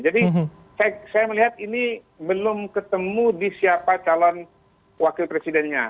jadi saya melihat ini belum ketemu di siapa calon wakil presidennya